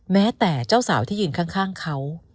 แม้แต่เจ้าสาวที่ยืนข้างเขา